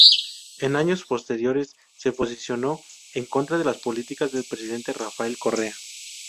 En años posteriores se posicionó en contra de las políticas del presidente Rafael Correa.